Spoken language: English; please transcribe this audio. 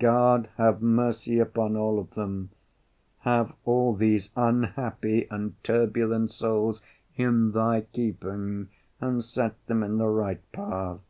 "God, have mercy upon all of them, have all these unhappy and turbulent souls in Thy keeping, and set them in the right path.